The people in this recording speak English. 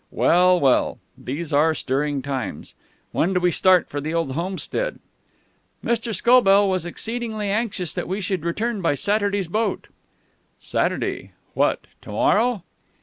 Well, well! These are stirring times. When do we start for the old homestead?" "Mr. Scobell was exceedingly anxious that we should return by Saturday's boat." "Saturday? What, to morrow?"